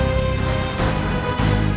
mereka mencari mati